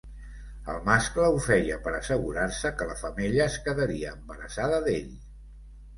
El mascle ho feia per assegurar-se que la femella es quedaria embarassada d'ell.